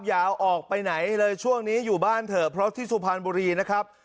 อย่าออกไปไหนเลยช่วงนี้อยู่บ้านเถอะเพราะที่สุพรรณบุรีนะครับ